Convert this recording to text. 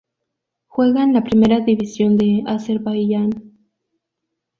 Juega en la Primera División de Azerbaiyán.